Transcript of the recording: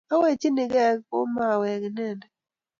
Awechinigei komawek inendet